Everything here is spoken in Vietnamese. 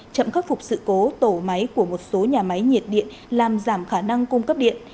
chậm khắc phục sự cố tổ máy của một số nhà máy nhiệt điện làm giảm khả năng cung cấp điện